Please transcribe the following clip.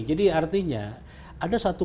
jadi artinya ada satu